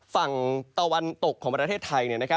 ฝั่งตะวันตกของประเทศไทย